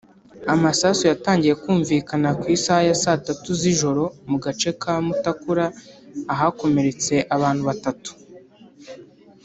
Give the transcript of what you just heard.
Amasasu yatangiye kumvikana ku isaha ya saa tatu z’ijoro mu gace ka Mutakura ahakomeretse abantu batatu